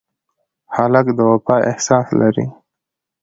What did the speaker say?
هلک د وفا احساس لري.